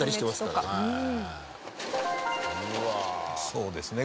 そうですね。